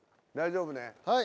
大丈夫ね。